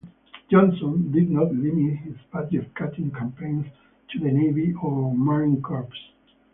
Johnson did not limit his budget-cutting campaign to the Navy or Marine Corps.